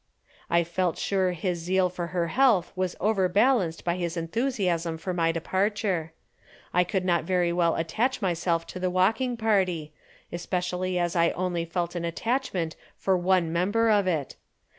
I felt sure his zeal for her health was overbalanced by his enthusiasm for my departure. I could not very well attach myself to the walking party especially as I only felt an attachment for one member of it.